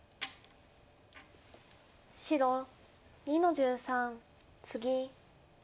白２の十三ツギ。